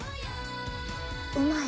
うまい！